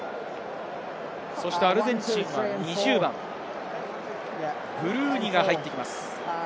アルゼンチンは２０番・ブルーニが入ってきます。